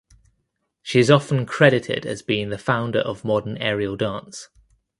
She is often credited as being the founder of modern aerial dance.